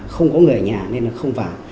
không có người ở nhà nên là không vào